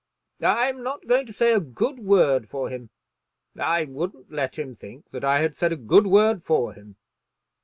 "I am not going to say a good word for him. I wouldn't let him think that I had said a good word for him.